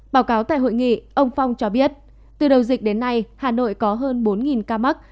báo cáo tại hội nghị ông phong cho biết từ đầu dịch đến nay hà nội có hơn bốn ca mắc